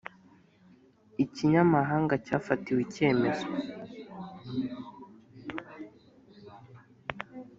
ikinyamahanga cyafatiwe icyemezo